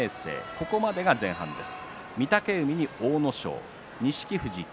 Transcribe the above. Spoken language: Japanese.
ここまでが前半です。